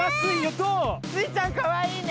どう⁉スイちゃんかわいいね！